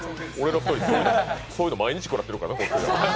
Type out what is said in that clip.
らそういうの毎日食らってますからね